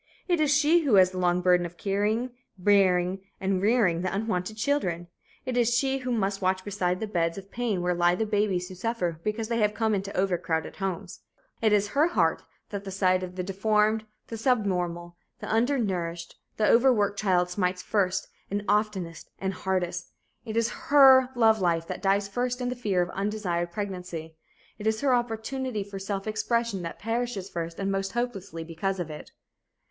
It is she who has the long burden of carrying, bearing and rearing the unwanted children. It is she who must watch beside the beds of pain where lie the babies who suffer because they have come into overcrowded homes. It is her heart that the sight of the deformed, the subnormal, the undernourished, the overworked child smites first and oftenest and hardest. It is her love life that dies first in the fear of undesired pregnancy. It is her opportunity for self expression that perishes first and most hopelessly because of it.